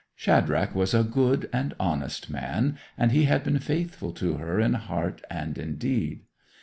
Shadrach was a good and honest man, and he had been faithful to her in heart and in deed.